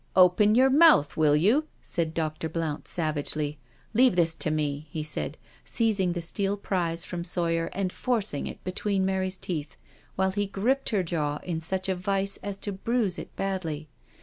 "Open your mouth, will you?" said Dr. Blount savagely. *' Leave this to me," he said, seizing the steel prise from Sawyer and forcing it between Mary's teeth, while he gripped her jaw in such a vice as to bruise it badly.